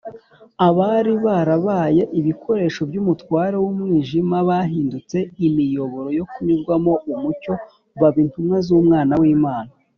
abari barabaye ibikoresho by’umutware w’umwijima, bahindutse imiyoboro yo kunyuzwamo umucyo baba intumwa z’umwana w’imana